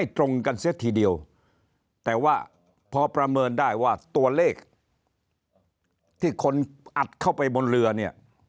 ที่คนอัดเข้าไปบนเรือเนี่ย